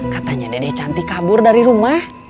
katanya dede cantik kabur dari rumah